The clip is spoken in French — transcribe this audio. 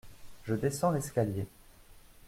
Je descends l'escalier.